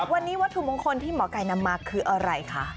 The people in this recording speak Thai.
วันนี้วัตถุมงคลที่หมอไก่นำมาคืออะไรคะ